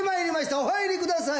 お入りください。